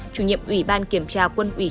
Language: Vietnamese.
chủ nhiệm ủy ban kiểm tra quân ủy